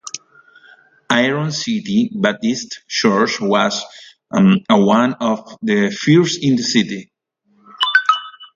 Iron City Baptist Church was one of the first in the city.